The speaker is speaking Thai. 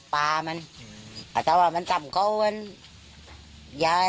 ป่านพระเขาออกมา๑๙๑๒เมื่อเมืองข้ัน